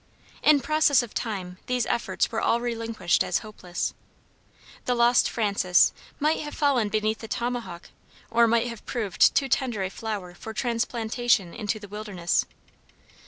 In process of time these efforts were all relinquished as hopeless. The lost Frances might have fallen beneath the tomahawk or might have proved too tender a flower for transplantation into the wilderness.